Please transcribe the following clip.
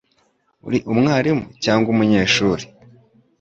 Uri umwarimu cyangwa umunyeshuri?